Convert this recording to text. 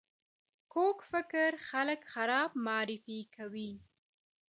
کوږ فکر خلک خراب معرفي کوي